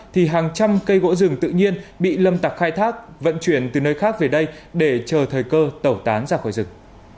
thì hàng trăm cây gỗ rừng tự nhiên bị lâm tặc khai thác vận chuyển từ nơi khác về đây để chờ thời cơ tẩu tán ra khỏi rừng